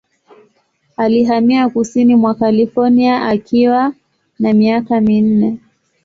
Alihamia kusini mwa California akiwa na miaka minne.